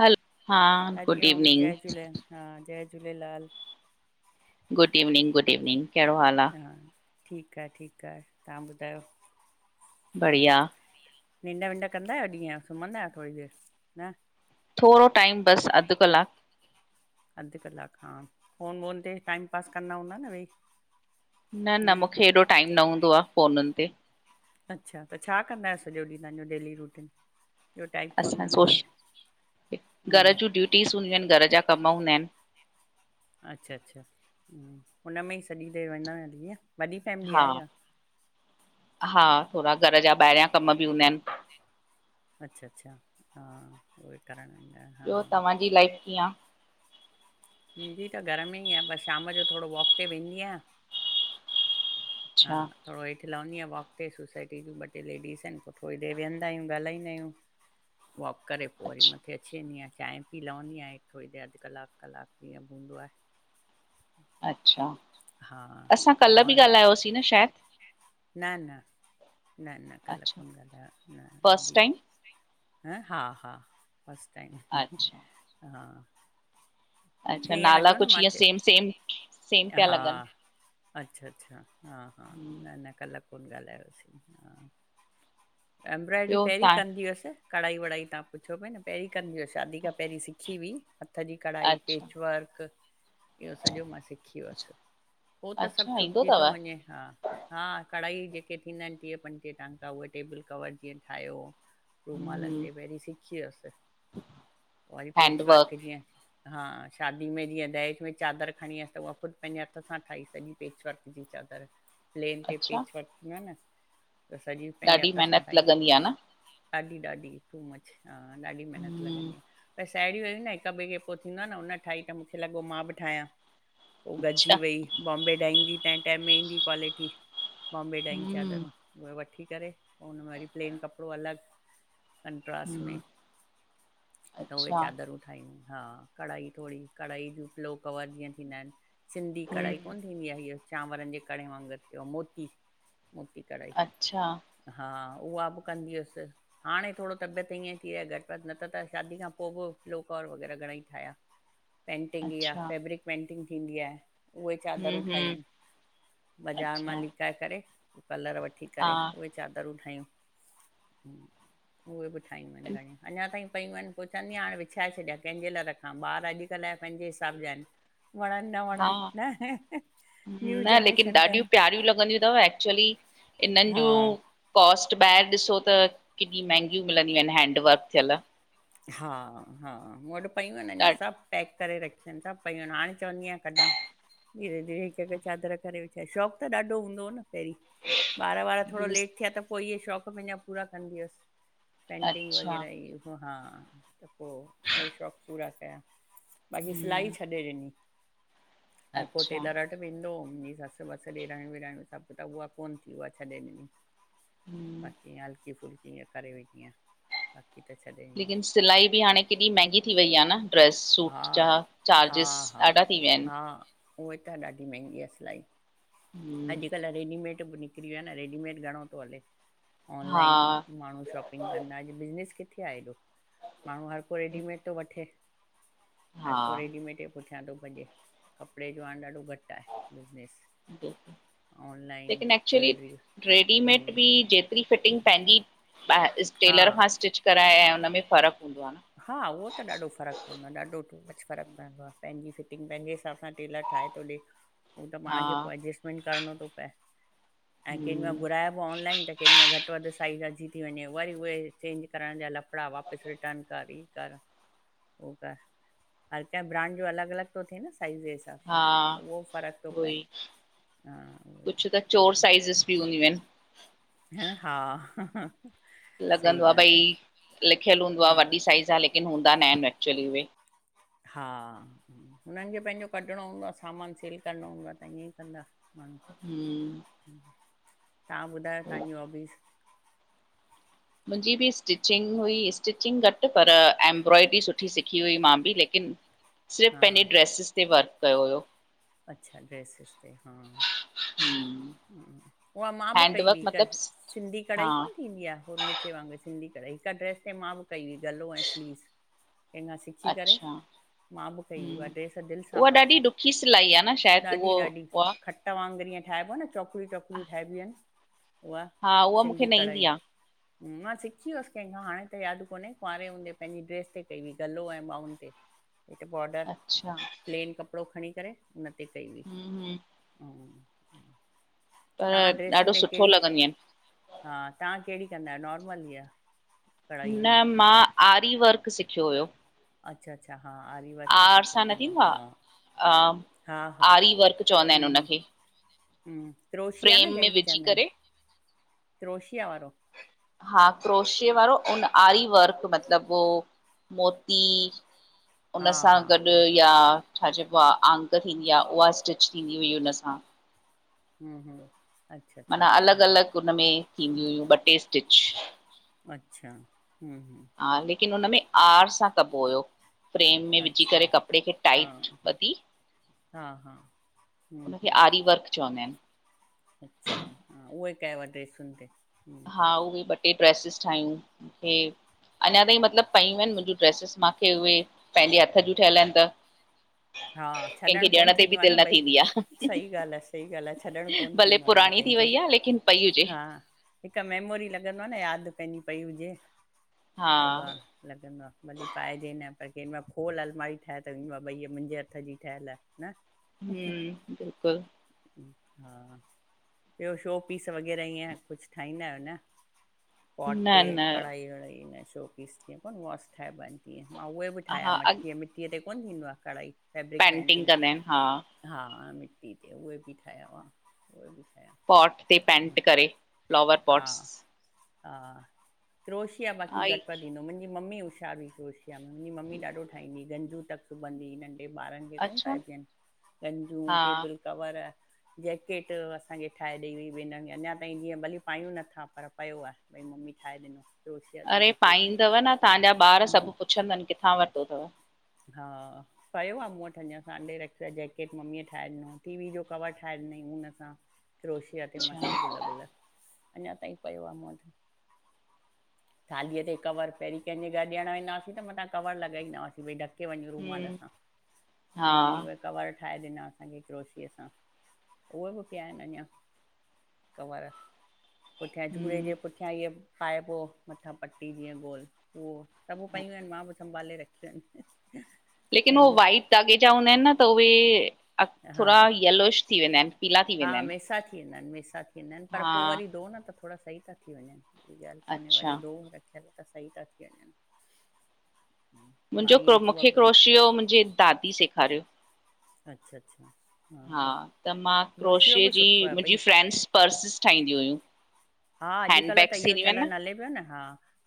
हलो हा गुड हरिओम, इवनिंग जय झूलेल हा जय Jhulelal. Good evening- good evening केहिड़ो हालु आ? हा ठीकु आहे- ठीकु आहे तव्हां ॿुधायो? बढ़िया। निंड -विड कंदा आहियो, ॾींहं जो सुम्हंदा आहियो थोरी देरि, न? थोड़ो टाईम, बसि अधु कलाकु। अधु कलाकु हा, फ़ोन -वोन ते टाईम पासु कंदा हूंदा न वेई? न -न मूंखे हेॾो टाइम न हूंदो आ, फ़ोननि ते। अच्छा! त छा कंदा आहियो सॼो ॾींहुं, तव्हांजो डेली रुटीन? असां सोश, घरु हम्म जुं ड्यूटीस हूंदियूं आहिनि, घरु जा कमु हूंदा आहिनि। अच्छा- अच्छा हुन में ई सॼी देरि वेंदव हली ईअं? वॾी फैमिली हा आहे छा? हा थोड़ा घरु जा ॿाहिरियां कमु बि हूंदा आहिनि। अच्छा- अच्छा हा उई करणु हा। ॿियो तव्हांजी लाइफ कीअं आ? मुंहिंजी त घरु में ई आ, बसि शामु जो थोड़ो वॉक ते वेंदी आहियां। हा अच्छा थोड़ो हेठ लवंदी आहेया, वॉक ते सोसाइटी जियुं ॿ टे लेडीस आहिनि, पोइ थोड़ी देर वेंयदा आहियूं, ॻालाईंदा आहियूं। वॉक करे पोइ वरी अच्छा मथे अची वेंदी आहियां। चांय पी लहंदी आयां, थोरी देरि अधु कलाकु- कलाकु। जीअं भी हूंदो आहे। अच्छा! हा असां ॿियो कल्ह बि ऑन ॻाल्हायोसीं न शायदि? न न- न न कल्ह अच्छा कोन ॻाल्हयो, न फस्ट अॼु ही। टाइम ह हा-हा फर्स्ट टाईम अच्छा हा। अच्छा मूंखे ईअं नाला लॻियो न, कुझु मां ईअं सेम सेम सेम चयो पिया हा। लॻनि अच्छा- अच्छा हा- हा हम्म, न- न कल्ह कोन ॻाल्हायोसीं हा। एमब्रॉयडरी ॿियो पहिरीं तव्हां कंदी हुअसि। कढ़ाई- वढ़ाई तव्हां पुछो पया न, पहिरीं कंदी हुयसि, शादी खां पहिरीं सिखी हुई हथु जी। कढ़ाई, अच्छा पेच-वर्कु। इहो सॼो मां सिखी हुयसि, हो त सभु अच्छा ईंदो छुटजी तव? तो वञे, हा। हा कढ़ाई जेके थींदा आहिनि टीहं- पंटीह टांका, उहे टेबल- कवर जीअं ठाहियो। रूमालनि हम्म ते पहिरीं सिखी हुयसि। पोइ वरी पेच हैंडवर्क वर्कु जिअं हा शादी में जीअं दहेज में चादरु खणी आअसि त, उहा ख़ुदि पंहिंजे हथि सां ठाही सॼी। पेच-वर्कु जी चादर, प्लेन ते अच्छा पेच- वर्कु थींदो आ न, त सॼी पंहिंजे ॾाढी हथि सां मेहनत ठाही। लॻंदी आ न? ॾाढी- ॾाढी टू मच। हा ॾाढी मेहिनतु हम्म लॻंदी आ। साहेड़ियूं हुयूं न हिकु- ॿिए खे पोइ थींदो आ न, उन ठाही त मूंखे लॻो मां बि ठाहियां। पोइ गॾिजी अच्छा वई, बॉम्बे डांइग जी तंहिं टाईम में ईंदी क्वालिटी, बॉम्बे डांइग हम्म चादरूं। उहे वठी करे, पोइ उन में वरी प्लेन कपिड़ो अलॻि कंट्रास में, हम्म त उहे अच्छा चादरुं। हा कढ़ाई, थोड़ी कढ़ाई ज फ्लो कवर जीअं थींदा आहिन, सिंधी कढ़ाई हम्म कोन थींदी आ! चांवरनि जे कड़ वांगुरु, मोती मोती क़ढ़ाई। अच्छा हा उहा बि कंदी हुयसि। हाणे थोड़ो तबियत ईअं थी रहे घटवध, न त त शादी खां पोइ बि लोकोऔर वग़ैरह घणे ई ठाया। पेंटिंग इहा अच्छा फैब्रिक पेंटिंग थींदी आहे। उहे हम्म चादरूं हम्म ठाहियूं बाज़ार अच्छा मां लिकाए करे, कलर वठी हा करे। उहे चादरूं ठाहियूं, उहे बि ठाहियूं आहिन घणियूं, अंञा ताईं पयूं आहिन। पो चंअंदी हाणे विछाए छॾियया कंहिंजे लाए रखां, ॿार अॼुकल्ह ज पंहिंजे हिसाब जा आहिन। वणन न वणन, हा न न्यू जनरेशन पंहिंजी। [unintelligible] गाियूं लॻंदियूं अथव एक्चुली इन्हनि जूं हा कॉस्ट ॿाहिर ॾिसो त केॾी महांगियूं मिलंदियूं आहिन हैंडवर्क थियल। हा हा मूं वटि पयूंआइन अंञा ॾा सब पैक। करे रखियनि था पयूं, हाणे चवंदी आंयां कढां। धीरे धीरे हिकु-हिकु चादरु करे विछाए, शौंक़ु त ॾाढो हूंदो हो न पहिरीं। ॿार वार थोड़ो यूस लेट थिया त पो इहे शौक़ु पंहिंजा पूरा कंदी हुअसि। पेंटिंग अच्छा वग़ैरह ई ब, हा त पो इये शौक़ पूरा कया। बाक़ी सिलाई हम्म छॾे ॾिनी, हर को अच्छा टेलर वट वेंदोहो, मुंजी ससु वस ॾेराइणियूं विरहाणियूं सभु त, उहा कोन थी उहा छॾे ॾिनी। हम्म बाक़ी हल्की फुलकी इंय करे वेन्दी आयां, बाक़ी त छॾे ई ॾिनी। लेकिन सिलाई बि हाणे केॾी महंगी थी वई आ न, ड्रैस हा सूट जा हा चार्जिस हा ॾाढा थी विया आहिन। हा उहे त ॾाढी महंगी आ सिलाई। आहिनि अॼुकल्ह रेडीमेड बि निकिरी वियो आ न, रेडीमेड घणो थो हले! हा ऑनलाइन माण्हू शॉपिंग कंदा, अॼु बिज़नेस किथे आ एॾो! माण्हू हर को रेडीमेड थो वठे। हर हा को रेडीमेट जे पुठियां थो भॼे, कपिड़े जो हाण ॾाढो घट आहे बिज़नेस। ऑनलाइन लेकिन एक्चुली ज्वैलरी रेडीमेड हम्म बि जे हिकिरी फिटिंग पंहिंजीा हा टेलर खां स्टिच कराए ऐं हुनन में फ़र्क़ु हूंदो आ न। हा उहो त ॾाढो फ़र्क़ु पवंदो आ, ॾाढोु फ़र्क़ु पवंदो आ, पंहिंजी फिटिंग पंहिंजे हिसाब सां टेलर ठाहे थो ॾे। हू त हा पाण खे पो एडजेस्टमेंट करणो थो पए, ऐं केॾी हम्म मइल घुराइबो ऑनलाइन त कंहिं मां घटि वधि साइज़ अच थी वंञे, वरी उहे चेंज कराएंण जा लफड़ा वापस रिटर्न। हर कं ब्रांड जो अलॻ अलॻि थो थिए न साइज़। हिस सां, हा उहो फ़र्क़ु थो उहो पए, ई हा। उहोई कुझु त चोर साइज़िस बि हूंदियूं आहिन। ह हा सही लॻंदो आहे भई ॻाल्हि लिखियलु हूंदो आ आहे वॾी साइज़ आ लेकिन हूंदा न आहिन एक्चुली उहे। हा हुननि खे पंहिंजो कढणो हूंदो आ सामानु सेल करणो हूंदो आ त ईअं ई कंदा। हम्म ह तव्हां ॿुधायो तव्हांजी हौब्बीज़। मुंहिंजी बि स्टिचिंग हुई, स्टिचिंग घटि पर एंम्ब्रॉयड्री सुठी सिखी हुई मां बि, लेकिन [inaudible] सिर्फ़ु पंहिंजे ड्रेसिस ते वर्क कयो हुयो। अच्छा ड्रेसिस ते, हा उहा मां बि कई हैंडवर्क हुई, मतिलबु सिंधी हा कढ़ाई कोन थींदी आ हो मि सिंधी कढ़ाई, हिक ड्रेस ते मां बि कई हुई गलो ऐं स्लीव। कं खां सिखी करे अच्छा मां बि कई हुई हम्म, उहा ड्रेस दिल सां उहा ॾाढी पाती। ॾुखी सिलाई आहे न शायदि उहो उहा त वांगुरु हिअ ठाहिबो न चौकरियूं चौकरियूं ठाहिबियूं आहिन उहा हा उहा मूंखे सिंधी न कढ़ाई ईंदी मां सिखी वियुसि कंहिं खां हाणे त यादि कोन्हे क कुंआवरे हूंदे पंहिंजी ड्रेस ते कई हुई गलो ऐं ॿाहुनि ते हे त बॉडर आहे अच्छा प्लेन कपिड़ो खणी करे उन ते कई हुई हम्म हम्म, हम तव्हां पर ड्रेसुनि ॾाढो ते सुठो कहिड़ी लॻंदियूं आहिनि हा तव्हां कहिड़ी कंदा आहियो नॉर्मल ई आहे न मां आरी वर्क सिखियो हुयो अच्छा अच्छा हा आरी वर्कु बि आर सुठो सां न थींदो आ हा। आहे आरी वर्क चवंदा आहिन उनखे। हम क्रोशिया न जहिंखे विझी चवंदा करे अई क्रोशिया वारो। हा क्रोशियो वारो उ आरी वर्क मतलब हो मोती हुन हा सां हा गॾु हा या - - छा चइबो आ अंक थींदी आ उहा स्टिच थींदी हुई हुन सां। हम्म हम्म - - माना अलॻ अलॻ उनमें थींदियूं हुयूं ॿ टे स्टिच - - अचछा हम हम - - हा लेकिन हुन में आर सां कबो हुओ - - फ्रेम में विझी करे अच्छा कपिड़े खे हा टाइट ॿधी - - हा हा - - उनखे आरी वर्क चवंदा आहिन। अच्छा हा उहे कयव ड्रेसुनि ते - - हा उहे ॿ टे ड्रेसिस ठाहियूं मूंखे अञा ताईं मतलब पयूं आहिन मुंहिंजूं - - ड्रेसिस मूंखे उहे पंहिंजे हथ जूं ठहियल आहिन त। हा कंहिंखे छॾणु कोन ॾियण ते बि थींदो आ न दिलि भई थींदी आहे सही ॻाल्ह आ सही ॻाल्ह आ छॾणु कोन भले थींदो आ। भयो [unintelligible] पुराणी थी कंखे वई आ लेकिन पई हुजे हा - - हिकु मेमोरी लॻंदो आ न यादि पहिंजी पई हुजे हा त उहा। लॻंदो आ भली पाइजे न पर कं खोल अलमारी ठाहे त ईंदो आ भई मुंहिंजे - - हथ जी ठहियल आहे न - - हम्म बिल्कुलु - - हा - - ॿियो शो पीस वग़ैरह ईअं कुझु ठाहींदा आहियो न। पोट न ते न कढ़ाई अढ़ाई न शो पीस ते वॉश ठाईंबा आहिन - - मां उहे बि ठाहियां हा अॻ मटकीअ मिटीअ ते कोन्ह थींदो आहे कढ़ाई फैब्रिक पेंटिंग। कंदा आहिन हा हा मिटी ते उहे बि ठाहिया हुआ उहे बि ठाहिया। पोट ते पेंट करे फ्लॉवर हा पोट्स। हा क्रोशिया बाक़ी आई घटमथे इंदो मुंहिंजी मम्मी हुशार हुई। क्रोशिया में मुंहिंजी मम्मी ॾाढो ठाही गंजू तक ॿंधी नंढे ॿारन - - कोन अच्छा थ [unintelligible] गंजू हा टेबल कवर - - जेकेट असांखे ठाहे ॾेई हुई भेनर जनि अञा ताईं जीअं भली पायूं नथा पर पयो आ। भई मम्मी ठाहे ॾिनो। क्रोशिया जो अड़े जैकेट पाईंदव न तव्हांजा ॿार सभु पुछंदन किथां वरितो अथव। हा - - पियो आ मूं वटि अञा सांभे रखियो आहे जेकेट मम्मीअ ठाहे ॾिनो टी वी जो कवर ठाहे ॾिनईं हुनसां - - क्रोशिया ते अच्छा मस्तु गुल गुल अञा ताईं पियो आ मूवट। थालीअ ते कवर पहिरीं कंहिंजे घरु ॾियणु वेंदा हुसीं त मथां कवर लॻाईंदा हुआसीं भई डक - - ढके वञूं रूमाल हम्म सां हा त ममी व - - कवर ठाहे ॾिना असांखे क्रोशीअ सां उहे बि पया आहिन अञा। कवर पुठियां झूड़े हम्म जे पठ - - [unintelligible] पाइबो मथां पटी जीअं गोल। उहो सभु पयूं आहिन मां बि संभाले रखियूं आहिन। लेकिन उहो वाइट धाॻे जा हूंदा आहिन न त उहे हा थोरा यलोश थी वेंदा आहिन। पीला थी हा वेंदा आहिन मेसा थी वेंदा आहिन मेसा थी वेंदा आहिन पर हा पोइ वरी धोओ न त थोरा सही था थी वञनि। ॻाल कोने अच्छा वारी दो रखिय त त सही थ थी वञनि - - मुंहिंजो क्रो मूंखे क्रोशि जो मुंहिंजी दादी सेखारियो। अच्छा अच्छा - - हा त मां क्रोशे जी सुठो आहे भई मुंहिंजी फ्रेंड्स पर्सिस ठाहींदी हुयूं। हा अॼुकल्ह त हैंडबैग्स इहो थींदियूं आहिनि न चलन हले पियो न हा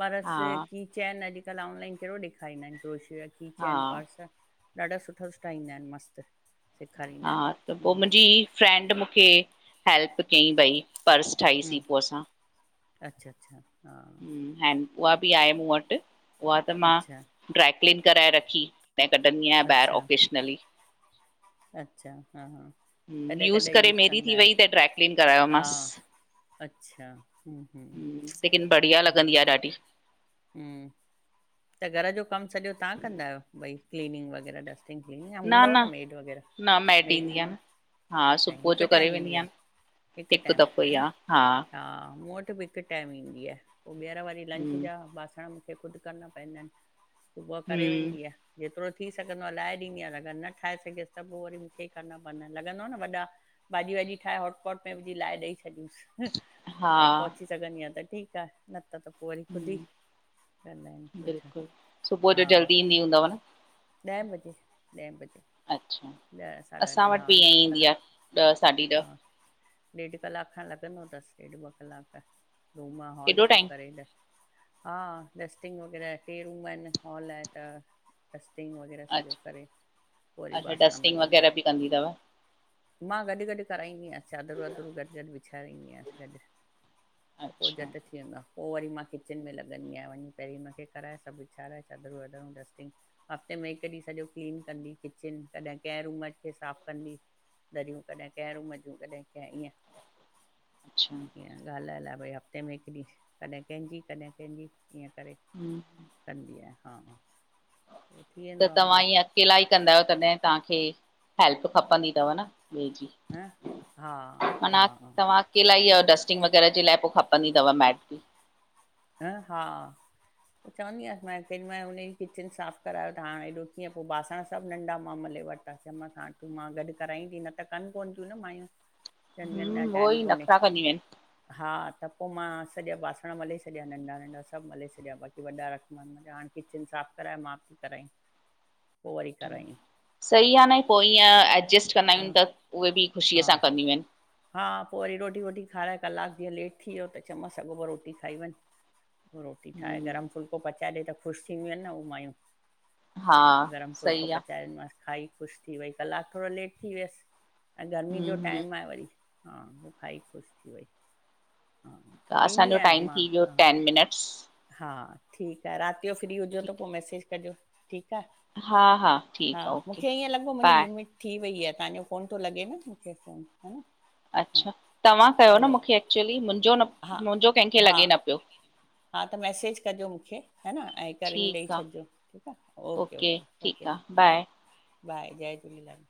पर्स हा की - - चैन अॼकल्ह ऑनलाइन केड़ो ॾेखारींदा आहिन क्रोशरी जा हा कीचैन पर्स! ॾाढा सुठा सुठा ईंदा आहिन मस्त! हा त पो मुंजी फ्रेंंड मूंखे हैेल्प कयईं भई पर्स ठाहीसीं हम्म पोइ असां अच्छा अच्छा! हा हैड उहा बि आहे मूं वट उहा त मां अच्छा ड्राइक्लीन कराए रखी! कढणी आहियां बैहिर अच्छा ओकेशनली। अच्छा हा हा! हम्म, कॾहिं यूज़ कॾहिं करे यूस मेरी कंदा थी वई आहियो त ड्रैक्लीन हा करायोमस! अच्छा हम्म! हम्म लेकिन बढ़िया हम्म लॻंदी आ ॾाढी! हम्म त घर जो कम सॼो ताहां कंदा आयो भई क्लीनिंग वग़ैरह डस्ट क्लीन हूंदव न मेड न वग़ैरह मैट मेड ईंदी आहे हूंदव? न हा अच्छा सुबुह हिक जो करे टाइम वेंदी ईंदी आ आहियां हिक हिकु टाइम दफ़ो ह ई न आहे हा मूं वट बि हिक टाइम ईंदी आ पो बेहर वरी लंच हम्म, जा बासण मूंखे ख़ुद करण पैंदा आहिन! सुबुह करे हम्म, वेंदी आ! जेतरो थी सघंदो आ लाहे ॾींदी आयां अगर न ठाहे सघ्यस त पो वरी मूंखे ई करना पवंदा लॻंदो आ न वॾा भाॼी वाॼी ठाहे हॉटपॉट में विझी लाए ॾेई छॾियूंस! पर हा, पहुची सघंदीआ त ठीक आ न त त पो वरी खुदि ई कंदा आहिन! बिल्कुल सुबुह जो जल्दी ईंदी हूंदव न! ॾै बजे! अच्छा ॾह साढा असां ॾह वट हा बि ईअं ॾेढ ईंदी आ कलाक ॾह साढी हा ॾह! ॾेढ कलाक खन लॻंदो तस ॾेढ ॿ कलाक रूम हॉल एॾो सभ टाइम? करे ॾस! हा डस्टिंग वग़ैरह टे रूम आहिन हॉल आहे त! डस्टिंग वग़ैरह सॼो अच्छा, करे पो वरी अच्छा बासण डस्टिंग मलींदी! वग़ैरह बि कंदी तव? मां गॾ गॾ कराईंदी आयास चादर वादरूं गॾ गॾ विछारींदी आयास गॾ! त पो अच्छा, झट थी वेंदा! पो वरी मां किचन में लॻंदी आयां वञी पहिरीं हुनखे कराए सभ विछाराए चादरूं वधरूं डस्टिंग! हफ़्ते में हिक ॾींह सॼो क्लीन कंदी किचन तॾहिं कैर उमज खे साफ़ कंदी दरियूं कॾहिं कैर उमज जूं कॾहिं कंहिं ईअं। अच्छा! ईअं ॻाल्हाइ लाइ भई हफ़्ते में हिकु ॾींहुं कॾह कंहिंजी कॾहिं कंहिंजी ईअं करे। हम्म! कंदी आ, हा। पोइ थी त वेंदो आहे तव्हां मिड़ई ईअं अकेला ई कंदा आयो, तॾहिं ताहांखे हेल्प खपंदी तव न ॿे जी! ह, हा हा, हा। इलाई डस्टिंग वग़ैरह जे लाइ पो खपंदी तव, मैट बि ह, हा। चवंदी आयांस मां केॾि मल, हुनजी किचन साफ़ करायो त हाणे एॾो कीअं पो बासण सभ नंढा मां मले वठ चयमसां तूं, मां गॾ करायंई ती, न त कन कोन त्यूं न मायूं चअंदी आइन, हम्म, उहो टाइम ई कोन्हे, नखरा कंदियूं आहिनि। हा त पो मां सॼा बासण मले सॼा नंढा नंढा सभ मले छॾिया बाक़ी वॾा रखया मान मला, हाणे किचन साफ़ कराए मां थी करायंई। [inaudible] सही आ न पो ईअं एडजस्ट कंदा आयूं हा त उहे बि ख़ुशीअ हा सां कंदियूं आहिन। हा पो वरी रोटी वोटी खाराए कलाक जीअं लेट थीयो त चयोमस अगो पो रोटी खाई वंञ। रोटी ठाहे हम्म। गरम फुल्को पचाए ॾे त ख़ुश थीदियूं आहिन न उह हा माइयूं। गरम फूलको सही आ पचाए ॾिनो मांस। खाई ख़ुश थी वई। कलाक थोडो लेट थी वियस ऐं गर्मी हूं जो हूं टाइम आ वरी। हा पो खाई ख़ुश थी वई। हा ठीक आ, ॾींदी असांजो आहियांसि टाइम मां थी व्यो हा टेन मिनट्स। हा ठीक आहे, रात जो फ्री हुजो त ठीकु, पो वरी मैसेज कजो, ठीक आ। हा हा हा ठीकु आ ओके मूंखे ईअं लॻो मुंहिंजी बाए लिमिट थी वई आहे, तव्हांजो कोन थो लॻे न फ़ोन, हा न हा अच्छा! तव्हां कयो न चलो मूंखे, एक्चुली मुंहिंजो न हा मुंहिंजो कंहिंखे हा लॻे न पियो। हा त मैसेज कजो मूंखे है न ऐं हिक रिंग ॾेई ठीकु आ छॾिजो। ओके- ओके, ओके ठीकु आ बाए बाए, जय झूलेलाल